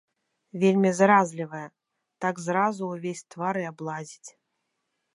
Вельмі заразлівая, так зразу ўвесь твар і аблазіць.